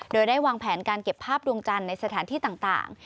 โดยได้วางแผนการเก็บภาพดวงจันทร์ในสถานที่ต่าง